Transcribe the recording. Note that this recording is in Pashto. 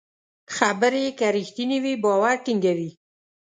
خبرې که رښتینې وي، باور ټینګوي.